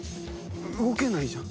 動けないじゃん。